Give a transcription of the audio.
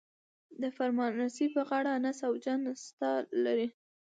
د فرمان رسۍ په غاړه انس او جان ستا لري.